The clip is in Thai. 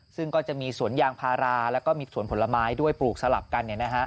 ซึ่งก็จะมีสวนยางพาราแล้วก็มีสวนผลไม้ด้วยปลูกสลับกัน